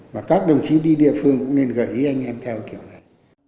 và các đồng chí đi địa phương cũng nên gợi ý anh em theo kiểu này